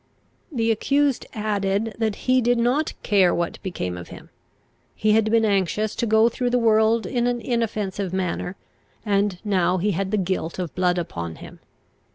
The accused added, that he did not care what became of him. He had been anxious to go through the world in an inoffensive manner, and now he had the guilt of blood upon him.